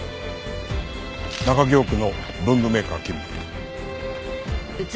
中京区の文具メーカー勤務。